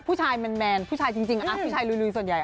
ผู้ชายมนุมถ้าผู้ชายจริงอัพมันลุยส่วนใหญ่